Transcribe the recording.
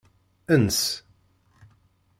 Ens.